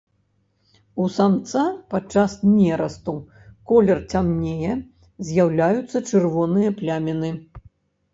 У самца падчас нерасту колер цямнее, з'яўляюцца чырвоныя пляміны.